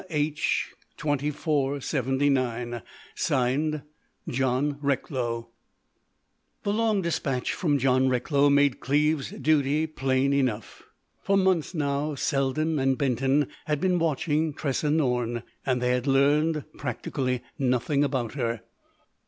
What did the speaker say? H. 2479._ "(Signed) "(John Recklow.)" The long despatch from John Recklow made Cleves's duty plain enough. For months, now, Selden and Benton had been watching Tressa Norne. And they had learned practically nothing about her.